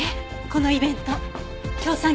このイベント協賛